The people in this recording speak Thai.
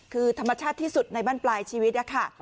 คือธรรมชาติที่สุดในบ้านปลายชีวิตนะคะ